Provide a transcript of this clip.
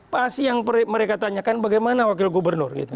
pasti yang mereka tanyakan bagaimana wakil gubernur gitu